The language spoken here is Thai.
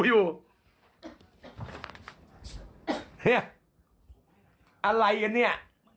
เนี่ยอะไรกันเนี่ย